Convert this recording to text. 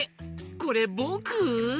これぼく？